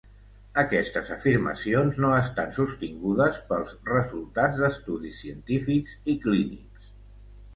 Aquestes afirmacions no estan sostingudes pels resultats d'estudis científics i clínics.